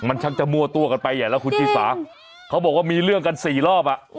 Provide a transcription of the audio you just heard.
มันชักจะมั่วตัวกันไปใหญ่แล้วคุณชิสาเขาบอกว่ามีเรื่องกันสี่รอบอ่ะ